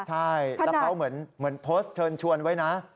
ใช่แล้วเขาเหมือนโพสต์เชิญชวนไว้นะ